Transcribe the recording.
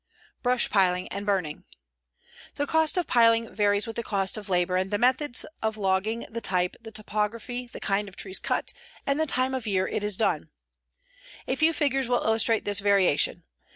"Brush Piling and Burning "The cost of piling varies with the cost of labor, the methods of logging, the type, the topography, the kind of trees cut, and the time of the year it is done. A few figures will illustrate this variation.